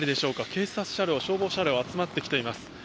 警察車両、消防車両が集まってきています。